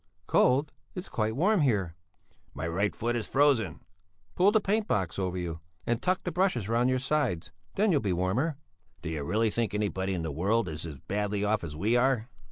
"Cold? It's quite warm here." "My right foot is frozen." "Pull the paint box over you, and tuck the brushes round your sides, then you'll be warmer." "Do you think anybody in the world is as badly off as we are?"